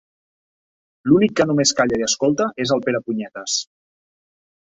L'únic que només calla i escolta és el Perepunyetes.